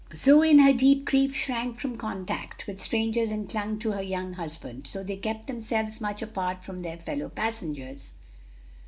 Zoe in her deep grief shrank from contact with strangers and clung to her young husband. So they kept themselves much apart from their fellow passengers.